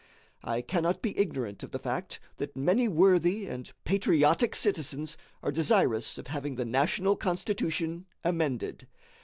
I cannot be ignorant of the fact that many worthy and patriotic citizens are desirous of having the national Constitution amended.